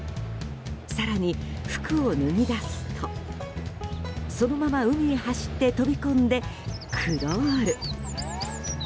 更に、服を脱ぎ出すとそのまま海へ走って飛び込んでクロール！